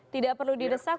tidak perlu didesak